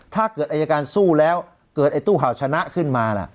ถ้าเกิดอายการสู้แล้วเกิดไอ้ตู้เห่าชนะขึ้นมาล่ะ